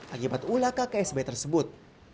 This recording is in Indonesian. akibat ulah kksb tersebut